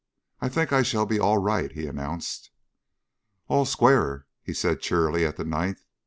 "I think I shall be all right," he announced. "All square," he said cheerily at the ninth.